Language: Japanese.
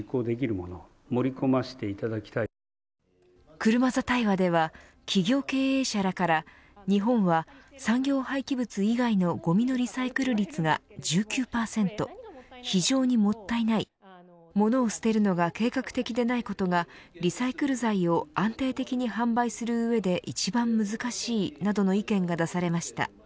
車座対話では企業経営者らから日本は産業廃棄物以外のごみのリサイクル率が１９％非常にもったいない物を捨てるのが計画的でないことがリサイクル材を安定的に販売する上で一番難しいなどの意見が出されました。